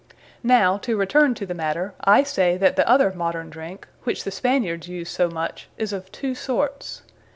Now, to returne to the matter, I say, that the other Moderne drinke, which the Spaniards use so much, is of two sorts.